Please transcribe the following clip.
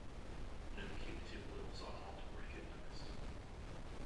Nuncupative wills are not recognized.